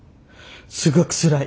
すごくつらい。